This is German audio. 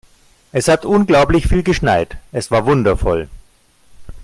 Es hat unglaublich viel geschneit. Es war wundervoll.